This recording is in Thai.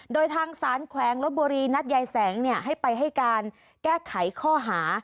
โดยทางสารแขวงลบบุรีนัดยายแสงให้ไปให้การแก้ไขข้อหา